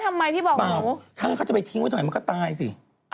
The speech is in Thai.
ใช่สิภายใจเขาจะไปทิ้งไว้ทำไมมันก็ตายสิ